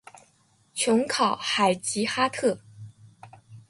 琼考海吉哈特。